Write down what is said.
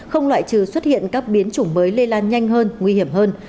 không loại trừ xuất hiện các biến chủng mới lây lan nhanh hơn nguy hiểm hơn